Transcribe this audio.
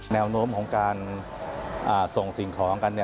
แนวโน้มของการส่งสิ่งของกัน